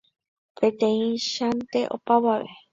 Peteĩchante opavave.